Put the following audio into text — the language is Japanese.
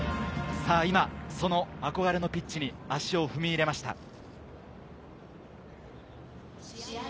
今、その憧れのピッチに足を踏み入れました。